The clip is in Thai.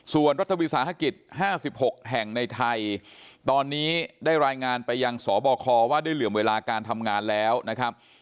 ส่วนรัฐวิสาหกิจ๕๖แห่งในไทยตอนนี้ได้รายงานไปยังสบคว่าได้เหลื่อมเวลาการทำงานแล้วนะครับ